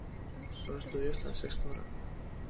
Solo estudió hasta el sexto grado.